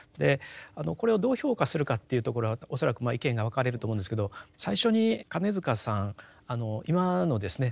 これをどう評価するかっていうところは恐らく意見が分かれると思うんですけど最初に金塚さん今のですね